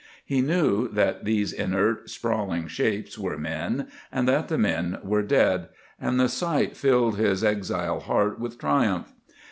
He knew that these inert, sprawling shapes were men, and that the men were dead; and the sight filled his exile heart with triumph.